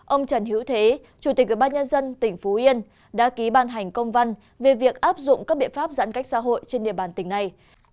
ông trần hữu thế chủ tịch ủy ban nhân dân tỉnh phú yên đã ký ban hành công văn về việc áp dụng các biện pháp giãn cách xã hội trên địa bàn tỉnh này